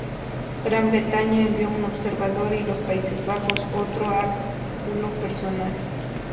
Gran Bretaña envió un observador y los Países Bajos otro a título personal.